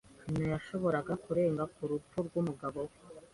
Ntiyashoboraga kurenga ku rupfu rw'umugabo we.